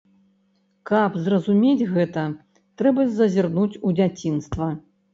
Каб зразумець гэта, трэба зазірнуць у дзяцінства.